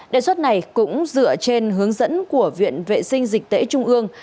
đề xuất này cũng dựa trên hướng dẫn của viện vệ sinh dịch tễ trung ương